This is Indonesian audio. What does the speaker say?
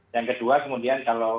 yang kedua kemudian kalau